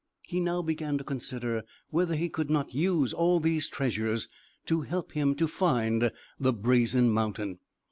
He now began to consider whether he could not use all these treasures to help him to find the Brazen Mountain.